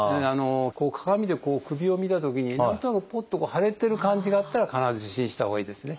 鏡で首を見たときに何となくぽっと腫れてる感じがあったら必ず受診したほうがいいですね。